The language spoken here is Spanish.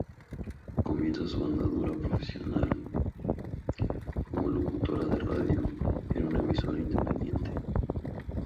Comienza su andadura profesional como locutora de radio en una emisora independiente.